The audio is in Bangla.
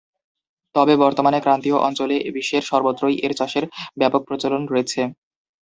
তবে বর্তমানে ক্রান্তীয় অঞ্চলে বিশ্বের সর্বত্রই এর চাষের ব্যাপক প্রচলন রয়েছে।